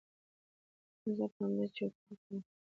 زه په همدې چرتونو کې وم.